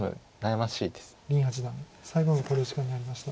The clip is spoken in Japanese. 林八段最後の考慮時間に入りました。